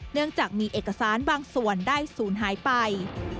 เนื่องจากมีเอกสารบางส่วนได้ศูนย์หายไป